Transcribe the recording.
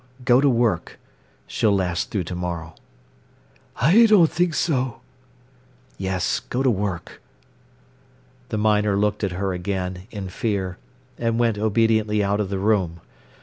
Go to work. She'll last through to morrow." "I don't think so." "Yes. Go to work." The miner looked at her again, in fear, and went obediently out of the room.